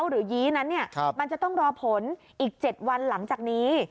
หรือยี้นั้นมันจะต้องรอผลอีก๗วันหลังจากนี้